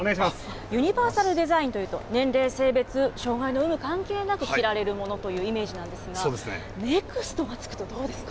ユニバーサルデザインというと、年齢、性別、障害の有無関係なく着られるものというイメージなんですが、ネクストがつくとどうですか。